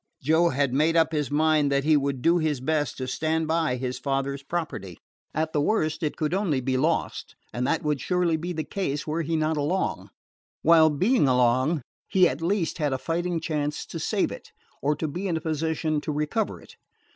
Joe had made up his mind that he would do his best to stand by his father's property. At the worst, it could only be lost; and that would surely be the case were he not along, while, being along, he at least had a fighting chance to save it, or to be in position to recover it.